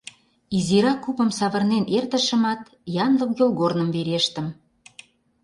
Изирак купым савырнен эртышымат, янлык йолгорным верештым.